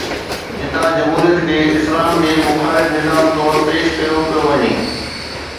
جتان جمهوريت کي اسلام جي مخالف نظام طور پيش ڪيو پيو وڃي.